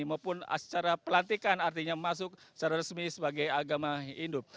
maupun secara pelantikan artinya masuk secara resmi sebagai agama induk